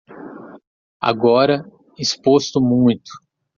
Agora exposto muito